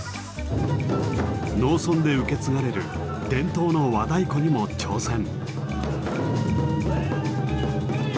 農村で受け継がれる伝統の和太鼓にも挑戦！